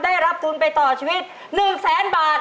ได้รับทุนไปต่อชีวิต๑แสนบาท